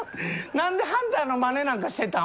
何でハンターのマネなんかしてたん。